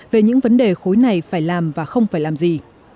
về những vấn đề khối này phải làm và không phải làm gì